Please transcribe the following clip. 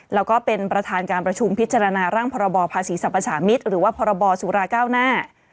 แล้วก็เป็นประธานการประชุมพิจารณาร่างพรบภาษีสรรพสามิตรหรือว่าพรบสุราเก้าหน้า